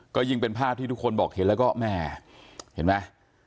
ก็ยิ่งเป็นภาพที่ทุกคนบอกเห็นแล้วก็แม่เห็นไหม